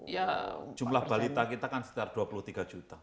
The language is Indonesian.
ya jumlah balita kita kan sekitar dua puluh tiga juta